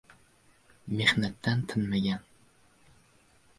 Mehnatdan tinmagan